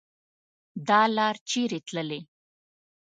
دا لار چیري تللي